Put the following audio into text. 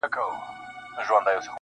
ښکلي خدای پیدا کړمه نصیب یې راکی ښکلی -